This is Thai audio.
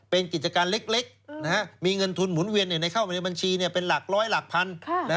เป็นกิจการเล็กมีเงินทุนหมุนเวียนเข้ามาในบัญชีเป็นหลักร้อยหลักพัน